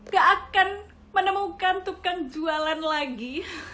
gak akan menemukan tukang jualan lagi